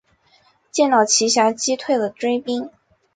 电脑奇侠击退了追兵。